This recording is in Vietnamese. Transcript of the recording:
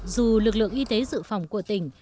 dù lực lượng y tế dự phòng của tỉnh